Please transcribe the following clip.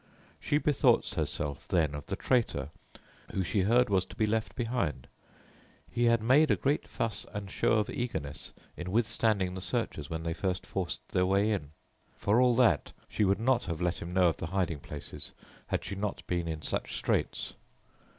She bethought herself then of the traitor who she heard was to be left behind. He had made a great fuss and show of eagerness in withstanding the searchers when they first forced their way in. For all that she would not have let him know of the hiding places, had she not been in such straits.